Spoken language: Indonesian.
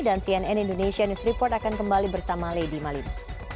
dan cnn indonesia news report akan kembali bersama lady malin